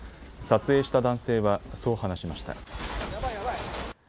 撮影した男性はそう話しました。